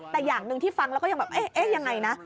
แต่อย่างหนึ่งที่ฟังแล้วก็ยังแบบเอ๊ะยังไงนะ